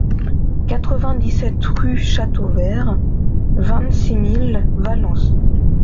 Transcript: quatre-vingt-dix-sept rue Chateauvert, vingt-six mille Valence